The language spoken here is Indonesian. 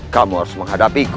kamu harus menghadapiku